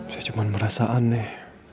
saya cuma merasa aneh